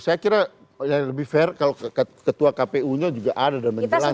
saya kira yang lebih fair kalau ketua kpu nya juga ada dan menjelaskan